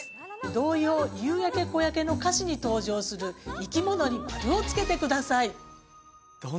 童謡「夕焼け小焼け」の歌詞に登場する生き物に丸をつけてください。